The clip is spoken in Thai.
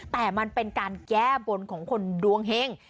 แต่มันเป็นการแก้บนของคนดวงเห็ง